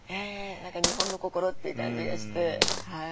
何か日本の心っていう感じがして。